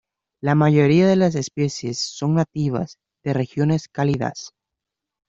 La mayoría de las especies son nativas de regiones cálidas.